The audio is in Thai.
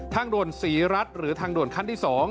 ทางด่วนศรีรัฐหรือทางด่วนขั้นที่๒